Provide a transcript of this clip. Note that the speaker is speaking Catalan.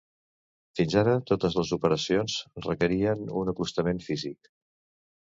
Fins ara, totes les opcions requerien un acostament físic